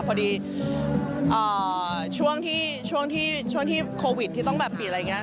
พอดีช่วงที่โควิดที่ต้องแบบบีดอะไรอย่างนี้